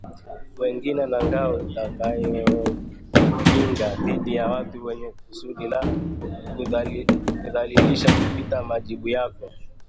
wengine na ngao itakayokukinga dhidi ya watu wenye kusudi la kukudhalilisha kupitia majibu yako